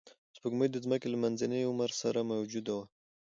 سپوږمۍ د ځمکې له منځني عمر سره موجوده وه